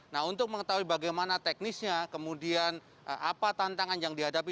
nah untuk mengetahui bagaimana teknisnya kemudian apa tantangan yang dihadapi